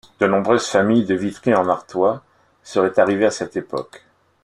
De nombreuses familles de Vitry-en-Artois seraient arrivées à cette époque.